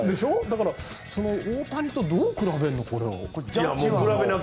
だから、大谷とどう比べるのかな。